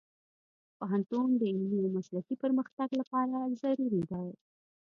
پوهنتون د علمي او مسلکي پرمختګ لپاره ضروري دی.